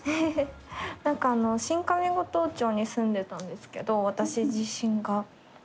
何かあの新上五島町に住んでたんですけど私自身が。